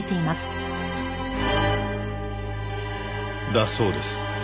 だそうです。